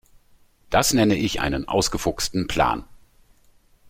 Das nenne ich einen ausgefuchsten Plan.